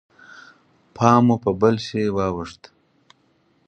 پام مو په بل شي واوښت.